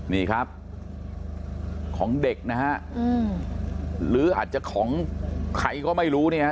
นี่ครับของเด็กนะฮะหรืออาจจะของใครก็ไม่รู้เนี่ยฮะ